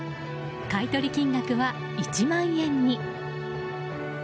買い取り金額は１万円に。